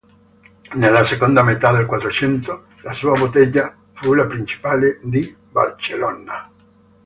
Nella seconda metà del quattrocento la sua bottega fu la principale di Barcellona.